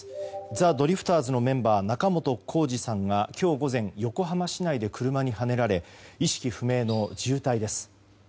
ザ・ドリフターズのメンバー仲本工事さんが今日午前横浜市内で車にはねられ意識不明の重体です。